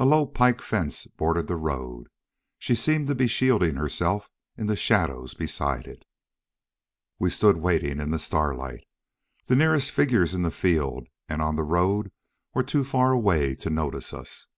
A low pike fence bordered the road. She seemed to be shielding herself in the shadows beside it. We stood waiting in the starlight. The nearest figures in the field and on the road were too far away to notice us.